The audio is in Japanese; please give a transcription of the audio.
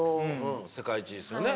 世界一ですよね。